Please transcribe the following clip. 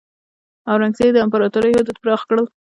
اورنګزیب د امپراتورۍ حدود پراخ کړل.